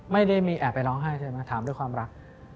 ไม่ได้มีแอบไปร้องไห้ใช่ไหมถามด้วยความรัก